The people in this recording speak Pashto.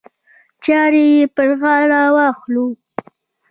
چارې یې پر غاړه واخلو.